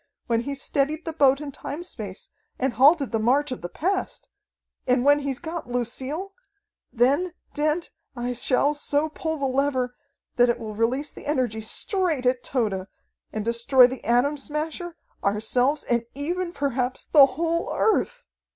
When he's steadied the boat in time space and halted the march of the past, and when he's got Lucille then, Dent, I shall so pull the lever that it will release the energy straight at Tode and destroy the Atom Smasher, ourselves, and even, perhaps, the whole Earth!"